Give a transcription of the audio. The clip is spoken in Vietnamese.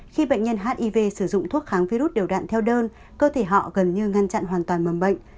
khi bệnh nhân hiv sử dụng thuốc kháng virus đều đạn theo đơn cơ thể họ gần như ngăn chặn hoàn toàn mầm bệnh